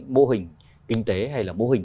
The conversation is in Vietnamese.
mô hình kinh tế hay là mô hình